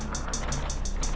masuk ke mobil